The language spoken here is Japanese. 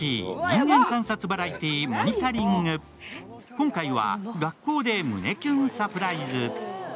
今回は学校で胸キュンサプライズ。